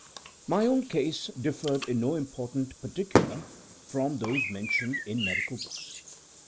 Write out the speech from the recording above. My own case differed in no important particular from those mentioned in medical books.